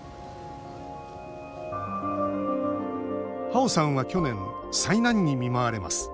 ハオさんは去年災難に見舞われます。